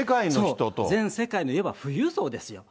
全世界の、いわば富裕層ですよ。